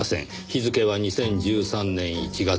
日付は２０１３年１月。